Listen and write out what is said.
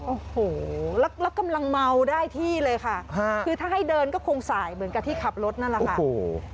โอ้โหแล้วกำลังเมาได้ที่เลยค่ะคือถ้าให้เดินก็คงสายเหมือนกับที่ขับรถนั่นแหละค่ะโอ้โห